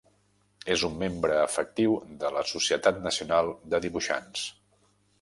És un membre efectiu de la Societat Nacional de Dibuixants.